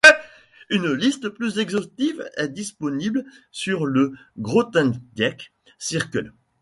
Une liste plus exhaustive est disponible sur le Grothendieck Circle.